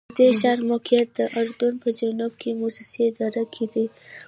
د دې ښار موقعیت د اردن په جنوب کې موسی دره کې دی.